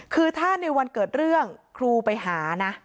คือถ้าในวันเกิดเรื่องครูไปหานะ